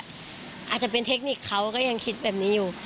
อาจจะเป็นเทคนิคเขาก็ยังคิดแบบนี้อยู่